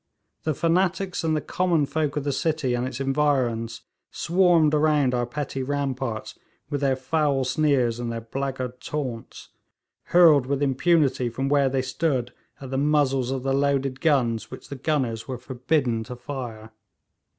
The fanatics and the common folk of the city and its environs swarmed around our petty ramparts, with their foul sneers and their blackguard taunts, hurled with impunity from where they stood at the muzzles of the loaded guns which the gunners were forbidden to fire.